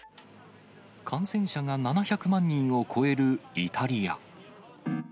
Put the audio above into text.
感染者が７００万人を超えるイタリア。